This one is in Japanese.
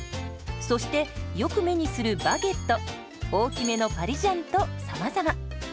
そしてよく目にするバゲット大きめのパリジャンとさまざま。